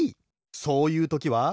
そういうときは。